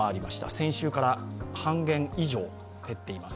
先週から半減以上減っています。